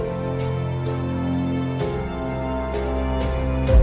karena kita adalah bangsa yang merdeka